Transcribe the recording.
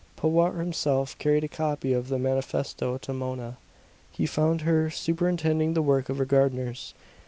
Powart himself carried a copy of the manifesto to Mona. He found her superintending the work of her gardeners.